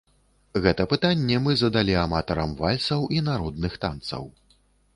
Гэта пытанне мы задалі аматарам вальсаў і народных танцаў.